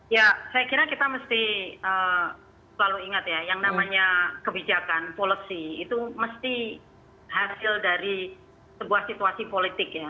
ya saya kira kita mesti selalu ingat ya yang namanya kebijakan policy itu mesti hasil dari sebuah situasi politik ya